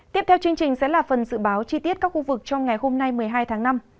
tiếp theo chương trình sẽ là phần dự báo chi tiết các khu vực trong ngày hôm nay một mươi hai tháng năm